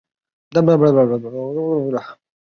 鲁珀特是一个位于美国爱达荷州米尼多卡县的城市。